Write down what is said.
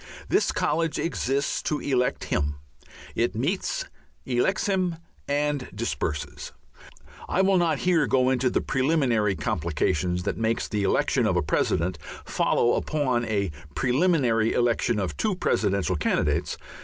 This college exists to elect him; it meets, elects him, and disperses. (I will not here go into the preliminary complications that makes the election of a President follow upon a preliminary election of two Presidential Candidates.